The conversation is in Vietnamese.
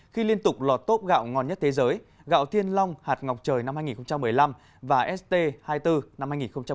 khi liên tục lọt tóp gạo ngon nhất thế giới gạo thiên long hạt ngọc trời năm hai nghìn một mươi năm và st hai mươi bốn năm hai nghìn một mươi tám